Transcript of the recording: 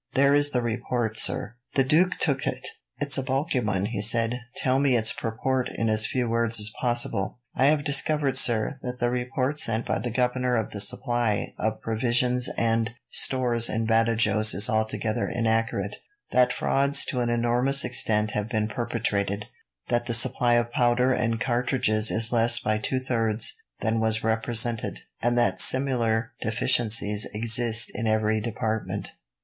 There is the report, sir." The duke took it. "It is a bulky one," he said. "Tell me its purport in as few words as possible." "I have discovered, sir, that the report sent by the governor of the supply of provisions and stores in Badajos is altogether inaccurate, that frauds to an enormous extent have been perpetrated, that the supply of powder and cartridges is less by two thirds than was represented, and that similar deficiencies exist in every department."